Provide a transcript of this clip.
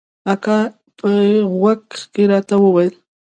اکا په غوږ کښې راته وويل.